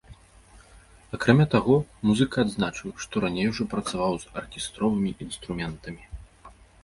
Акрамя таго, музыка адзначыў, што раней ужо працаваў з аркестровымі інструментамі.